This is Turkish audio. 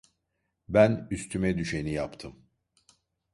Ben üstüme düşeni yaptım.